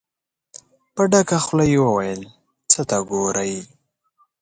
په ډکه خوله يې وويل: څه ته ګورئ؟